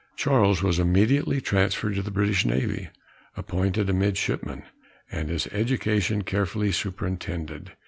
Charles was immediately transferred to the British navy, appointed a midshipman, and his education carefully superintended.